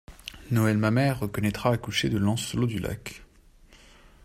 Noël Mamère reconnaîtra accoucher de Lancelot Du Lac.